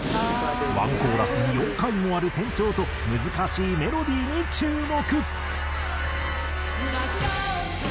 １コーラスに４回もある転調と難しいメロディーに注目。